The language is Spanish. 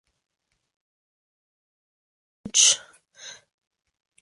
Confinado al lecho, redobló su fervor y su asiduidad a la oración.